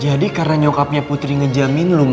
jadi karena nyokapnya putri ngejalanin lo di pasar